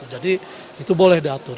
jadi itu boleh diatur